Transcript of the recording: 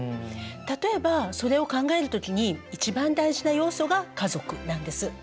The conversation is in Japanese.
例えばそれを考える時に一番大事な要素が家族なんです。